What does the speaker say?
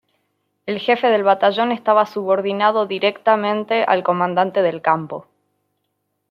El jefe del batallón estaba subordinado directamente al comandante del campo.